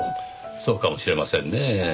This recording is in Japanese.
そうかもしれませんねぇ。